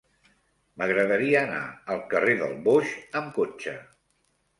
M'agradaria anar al carrer del Boix amb cotxe.